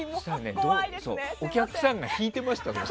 お客さんが引いてましたもん。